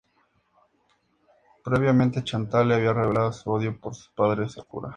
Previamente, Chantal le había revelado su odio por sus padres al cura.